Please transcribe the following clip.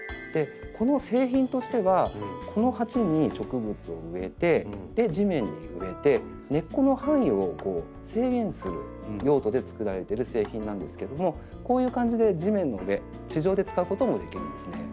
この製品としてはこの鉢に植物を植えて地面に植えて根っこの範囲を制限する用途でつくられてる製品なんですけどもこういう感じで地面の上地上で使うこともできるんですね。